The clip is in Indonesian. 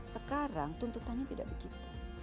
sekarang tuntutannya tidak begitu